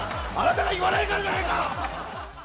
あなたが言わないからじゃないか！！